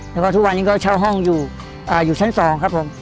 แล้วก็ทุกวันนี้ก็เช่าห้องอยู่ชั้น๒ครับผม